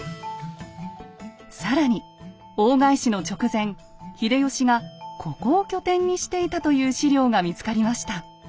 更に大返しの直前秀吉がここを拠点にしていたという史料が見つかりました。